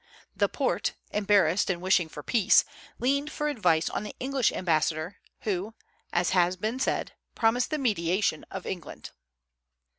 The Porte, embarrassed and wishing for peace, leaned for advice on the English ambassador, who, as has been said, promised the mediation of England.